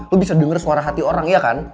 lo bisa denger suara hati orang iya kan